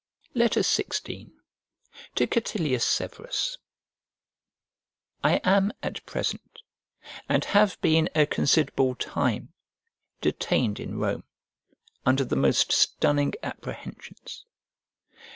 XVI To CATILIUS SEVERUS I AM at present (and have been a considerable time) detained in Rome, under the most stunning apprehensions.